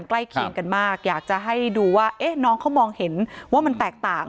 ใกล้เคียงกันมากอยากจะให้ดูว่าน้องเขามองเห็นว่ามันแตกต่าง